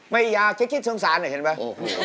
ไม่อยากเจ็บคิดสงสารเห็นหรือ